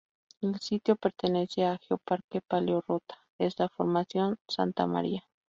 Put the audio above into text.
El sitio pertenece a Geoparque Paleorrota, es la Formación Santa Maria.